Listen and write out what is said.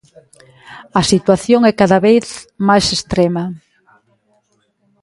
A situación é cada vez máis extrema.